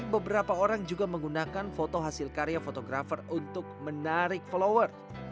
beberapa orang juga menggunakan foto hasil karya fotografer untuk menarik follower